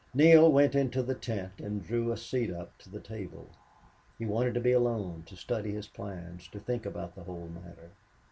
Neale went into the tent and drew a seat up to the table. He wanted to be alone to study his plans to think about the whole matter.